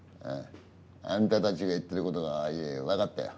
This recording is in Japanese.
あんたたちが言ってることが分かったよ。